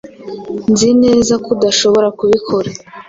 Nzi neza ko udashaka kubikora.